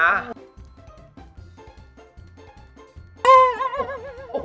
คับ